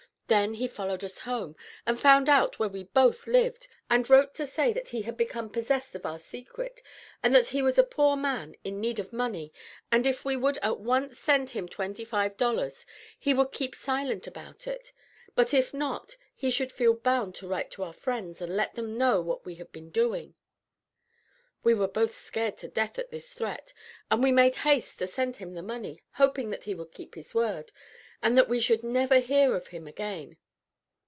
Then he followed us home, and found out where we both lived, and wrote to say that he had become possessed of our secret, and that he was a poor man in need of money, and if we would at once send him twenty five dollars he would keep silent about it; but if not, he should feel bound to write to our friends, and let them know what we had been doing. We were both scared to death at this threat, and we made haste to send him the money, hoping that he would keep his word, and that we should never hear of him again.